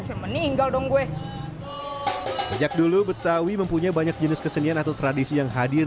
semeninggal dong gue sejak dulu betawi mempunyai banyak jenis kesenian atau tradisi yang hadir